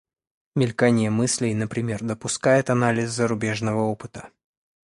Мелькание мыслей, например, допускает анализ зарубежного опыта.